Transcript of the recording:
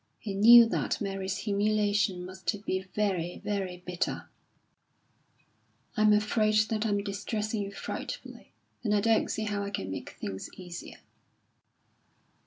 He knew that Mary's humiliation must be very, very bitter. "I'm afraid that I am distressing you frightfully, and I don't see how I can make things easier."